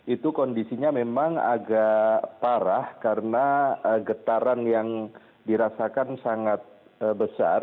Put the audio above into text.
itu kondisinya memang agak parah karena getaran yang dirasakan sangat besar